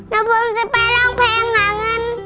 เราผมจะไปลองเพลงหาเงิน